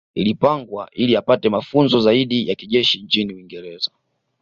Ilipangwa ili apate mafunzo zaidi ya kijeshi nchini Uingereza